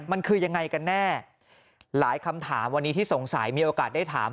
มันคือยังไงกันแน่หลายคำถามวันนี้ที่สงสัยมีโอกาสได้ถาม